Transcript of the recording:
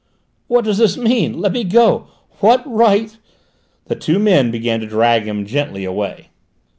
"What does this mean? Let me go! What right " The two men began to drag him gently away.